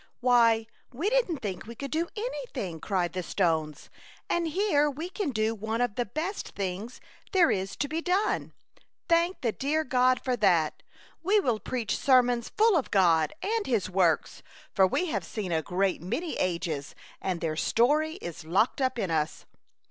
"Why, we didn't think we could do anything !'' cried the stones, '' and here we can do one of the best things there is to be done. Thank 68 A Chautauqua Idyl. the dear God for that. We will preach sermons full of God and his works, for we have seen a great many ages, and their story is locked up in us."